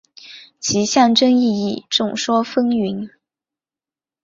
其象征意义众说纷纭。